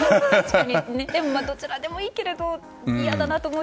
でもどちらでもいいけれど嫌だなと思う人が。